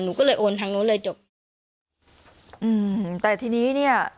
หนูก็เลยโอนทางนู้นเลยจบอืมแต่ทีนี้เนี้ย